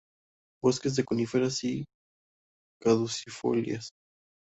Bosques de coníferas y caducifolias.